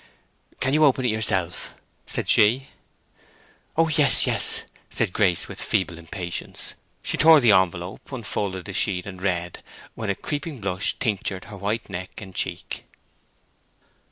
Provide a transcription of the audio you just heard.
"Can you open it yourself?" said she. "Oh yes, yes!" said Grace, with feeble impatience. She tore the envelope, unfolded the sheet, and read; when a creeping blush tinctured her white neck and cheek.